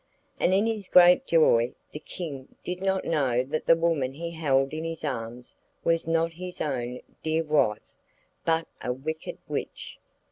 And in his great joy the King did not know that the woman he held in his arms was not his own dear wife, but a wicked witch.